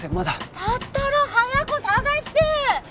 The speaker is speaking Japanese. だったら早く捜して！